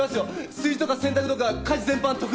炊事とか洗濯とか家事全般得意なんで。